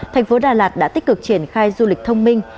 thành phố đà lạt đã tích cực triển khai du lịch thông minh